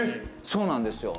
そうなんですよ。